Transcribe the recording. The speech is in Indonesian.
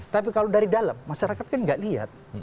tapi kalau dari dalam masyarakat kan nggak lihat